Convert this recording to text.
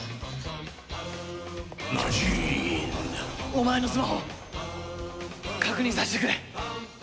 お前のスマホ確認させてくれ。